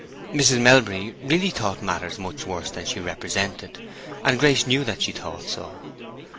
Mrs. Melbury really thought matters much worse than she represented, and Grace knew that she thought so.